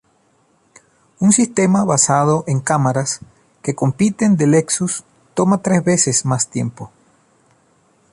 Un sistema basado en cámaras que compiten de Lexus toma tres veces más tiempo.